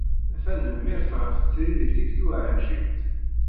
Tanemmirt ɣef tririt-ik tuɛjilt.